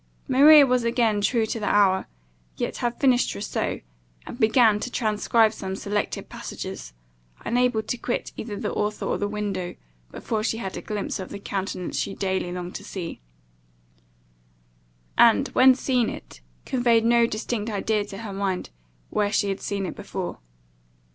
Maria was again true to the hour, yet had finished Rousseau, and begun to transcribe some selected passages; unable to quit either the author or the window, before she had a glimpse of the countenance she daily longed to see; and, when seen, it conveyed no distinct idea to her mind where she had seen it before.